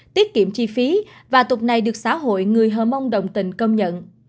tiết kiệm chi phí và tụng này được xã hội người hồng mông đồng tình công nhận